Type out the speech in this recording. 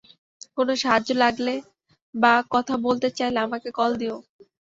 কোনো সাহায্য লাগলে বা কথা বলতে চাইলে আমাকে কল দিও।